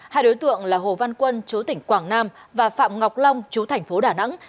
hai đối tượng là hồ văn quân chú tỉnh quảng nam và phạm ngọc long chú thành phố đà nẵng